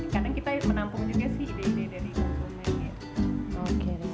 karena kita menampung juga sih ide ide dari konsumen ya